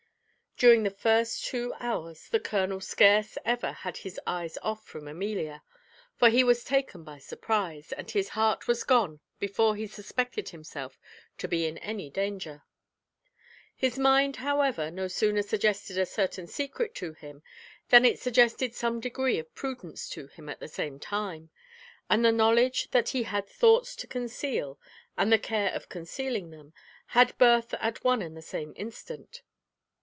During the first two hours the colonel scarce ever had his eyes off from Amelia; for he was taken by surprize, and his heart was gone before he suspected himself to be in any danger. His mind, however, no sooner suggested a certain secret to him than it suggested some degree of prudence to him at the same time; and the knowledge that he had thoughts to conceal, and the care of concealing them, had birth at one and the same instant.